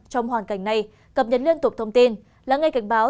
trong hoàn cảnh này cập nhật liên tục thông tin là ngay cảnh báo